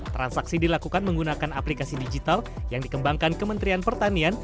transaksi dilakukan menggunakan aplikasi digital yang dikembangkan kementerian pertanian